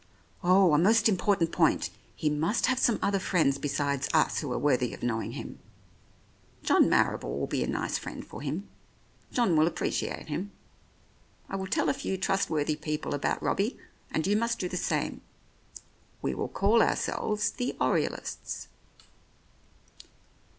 Oh, a most important point ! He must have some other friends besides us who are worthy of knowing him. John Marrible will be a nice friend for him; John will appreciate him. I will tell a few trustworthy people about Robbie, and 96 The Oriolists you must do the same. We will call ourselves the Oriolists."